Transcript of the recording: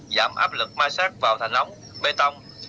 giảm áp lực ma sát vào thành ống bê tông